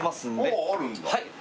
あっあるんだはい